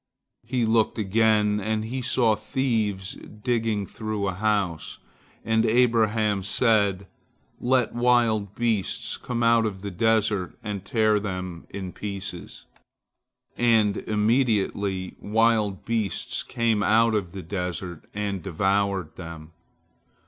He looked again, and he saw thieves digging through a house, and Abraham said, "Let wild beasts come out of the desert, and tear them in pieces," and immediately wild beasts came out of the desert and devoured them.